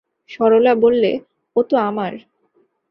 সরলা বললে, ও তো আমার।